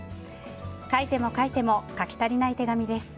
書いても書いても書き足りない手紙です。